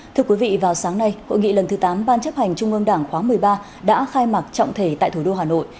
thưa quý vị vào sáng nay hội nghị lần thứ tám ban chấp hành trung ương đảng khóa một mươi ba đã khai mạc trọng thể tại thủ đô hà nội